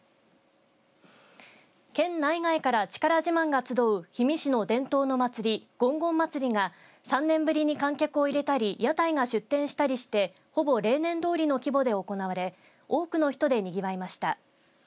県内外から力自慢が集う氷見市の伝統の祭りごんごん祭りが３年ぶりに観客を入れたり屋台が出店したりしてほぼ例年どおりの規模で行われ多くの人でにぎわいました。